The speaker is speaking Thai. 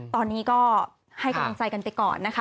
ตอนนี้ก็ให้กำลังใจกันไปก่อนนะคะ